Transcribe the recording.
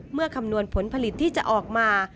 คำนวณผลผลิตที่จะออกมา